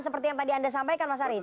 seperti yang tadi anda sampaikan mas arief